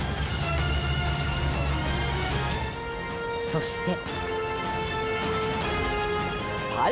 そして。